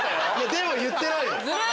でも言ってないもん。